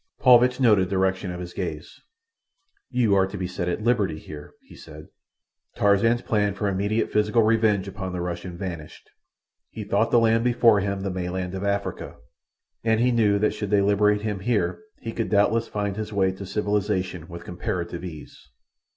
Paulvitch noted the direction of his gaze. "You are to be set at liberty here," he said. Tarzan's plan for immediate physical revenge upon the Russian vanished. He thought the land before him the mainland of Africa, and he knew that should they liberate him here he could doubtless find his way to civilization with comparative ease.